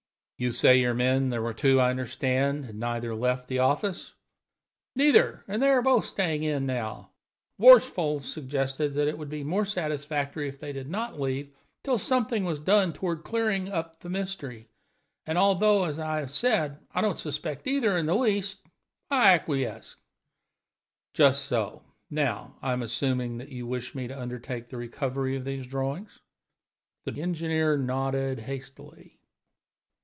"You say your men there are two, I understand had neither left the office?" "Neither; and they are both staying in now. Worsfold suggested that it would be more satisfactory if they did not leave till something was done toward clearing the mystery up, and, although, as I have said, I don't suspect either in the least, I acquiesced." "Just so. Now I am assuming that you wish me to undertake the recovery of these drawings?" The engineer nodded hastily.